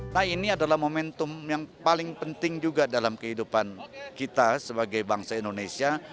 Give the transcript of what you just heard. nah ini adalah momentum yang paling penting juga dalam kehidupan kita sebagai bangsa indonesia